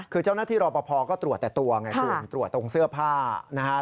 คือเจ้าหน้าที่รอปภก็ตรวจแต่ตัวไงคุณตรวจตรงเสื้อผ้านะครับ